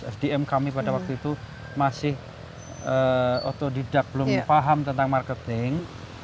sdm kami pada waktu itu masih otodidak belum paham tentang marketing